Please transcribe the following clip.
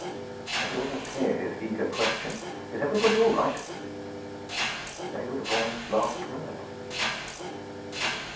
I could almost hear his eager question: 'Is everybody all right?' They were the boy's last words.